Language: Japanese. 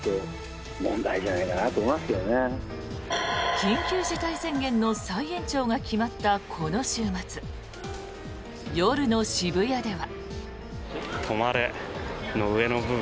緊急事態宣言の再延長が決まった、この週末夜の渋谷では。